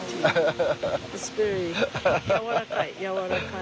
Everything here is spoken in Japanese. やわらかいやわらかい。